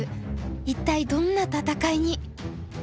一体どんな戦いに！